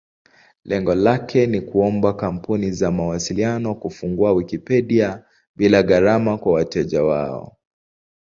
Lengo lake ni kuomba kampuni za mawasiliano kufungua Wikipedia bila gharama kwa wateja wao.